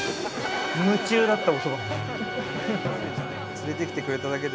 夢中だったおそばに。